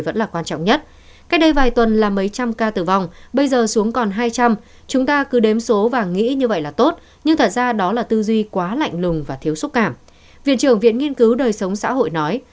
viện trưởng viện nghiên cứu đời sống xã hội nói